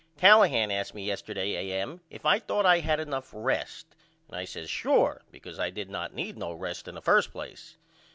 Callahan asked me yesterday A.M. if I thought I had enough rest and I says Sure because I did not need no rest in the 1st place.